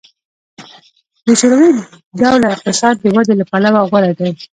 د شوروي ډوله اقتصاد د ودې له پلوه غوره دی